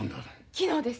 昨日です。